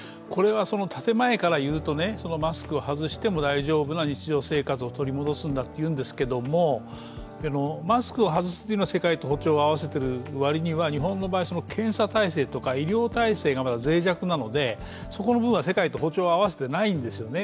建前から言うとマスクを外しても大丈夫な日常生活を取り戻すんだというんですけど、マスクを外すというのは世界と歩調を合わせてる割には日本の場合、検査体制とか医療体制がまだ脆弱なので、そこの部分は世界と歩調を合わせていないんですね。